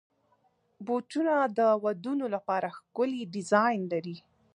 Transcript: بوټونه د ودونو لپاره ښکلي ډیزاین لري.